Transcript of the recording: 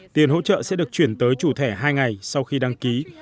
tiền hỗ trợ sẽ được chuyển tới chủ thẻ hai ngày sau khi đăng ký